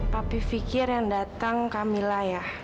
papi pikir yang datang kak mila ya